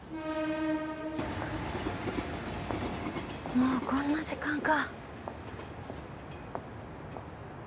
もうこんな時間か。